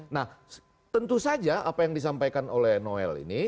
nah tentu saja apa yang disampaikan oleh noel ini